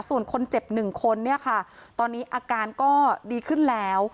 ส่วนคนเจ็บ๑คนเนี่ยค่ะตอนนี้อาการก็ดีขึ้นแล้ว